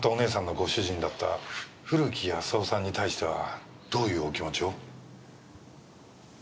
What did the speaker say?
ご主人だった古木保男さんに対してはどういうお気持ちを？